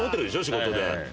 仕事で。